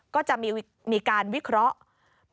ก็จะมีการวิเคราะห์